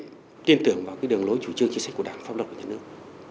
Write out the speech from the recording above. tôi tin tưởng vào cái đường lối chủ trương chính sách của đảng pháp luật của nhà nước